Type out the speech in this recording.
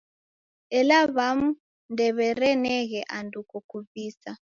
Ela w'amu ndew'ereneghe andu kokuvisa.